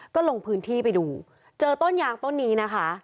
ก็ลงพื้นที่ไปดูเจอต้นยางต้นนี้นะคะ